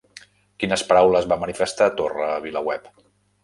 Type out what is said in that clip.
Quines paraules va manifestar Torra a VilaWeb?